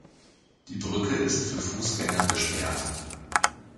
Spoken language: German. Die Brücke ist für Fußgänger gesperrt.